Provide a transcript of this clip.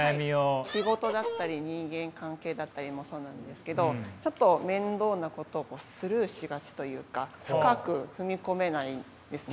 仕事だったり人間関係だったりもそうなんですけどちょっと面倒なことをスルーしがちというか深く踏み込めないんですね。